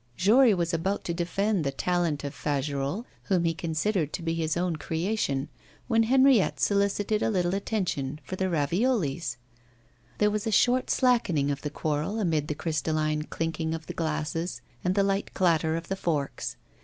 Jory was about to defend the talent of Fagerolles, whom he considered to be his own creation, when Henriette solicited a little attention for the raviolis. There was a short slackening of the quarrel amid the crystalline clinking of the glasses and the light clatter of the forks.